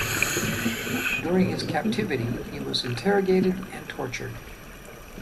During his captivity, he was interrogated and tortured.